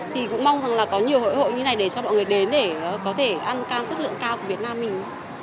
thì cũng mong rằng là có nhiều hội hội như này để cho mọi người đến để có thể ăn cam chất lượng cao của việt nam mình